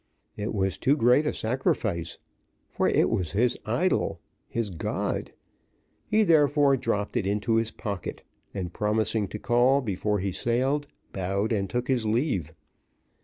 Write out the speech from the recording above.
It was too great a sacrifice, for it was his idol his god. He therefore dropped it into his pocket, and promising to call before he sailed, bowed and took his leave.